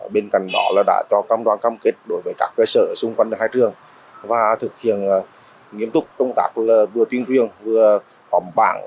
bên cạnh đó là đã cho cam đoàn cam kết đối với các cơ sở xung quanh hai trường và thực hiện nghiêm túc trong các vừa tuyên truyền vừa phóng bảng